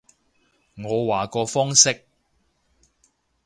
我話個方式